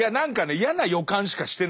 嫌な予感しかしてない。